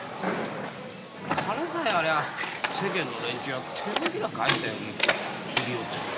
金さえあれば世間の連中は手のひら返したようにすり寄って来る。